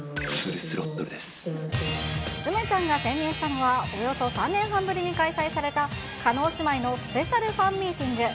梅ちゃんが潜入したのは、およそ３年半ぶりに開催された、叶姉妹のスペシャルファンミーティング。